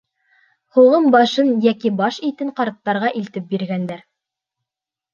Һуғым башын йәки баш итен ҡарттарға илтеп биргәндәр.